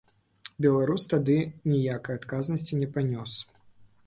Беларус тады ніякай адказнасці не панёс.